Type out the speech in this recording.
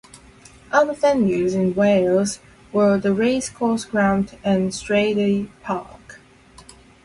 Other venues in Wales were the Racecourse Ground and Stradey Park.